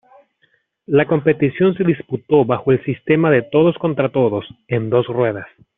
La competición se disputó bajo el sistema de todos contra todos, en dos ruedas.